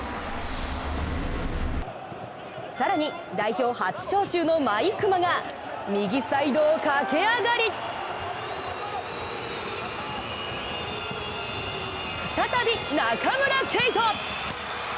更に、代表初招集の毎熊が右サイドを駆け上がり再び中村敬斗！